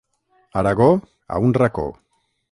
Aragó, a un racó.